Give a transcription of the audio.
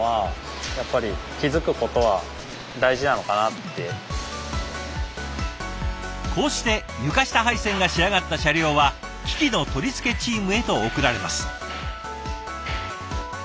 発見というかこうして床下配線が仕上がった車両は機器の取り付けチームへと送られます。